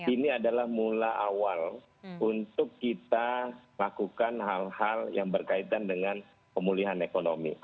ini adalah mula awal untuk kita lakukan hal hal yang berkaitan dengan pemulihan ekonomi